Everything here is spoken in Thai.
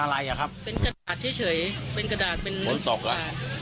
อะไรอ่ะครับเป็นกระดาษเฉยเฉยเป็นกระดาษเป็นฝนตกอ่ะ